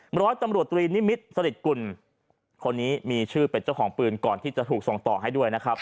ร้อยตำรวจตรีนิมิตรสลิดกุลคนนี้มีชื่อเป็นเจ้าของปืนก่อนที่จะถูกส่งต่อให้ด้วยนะครับ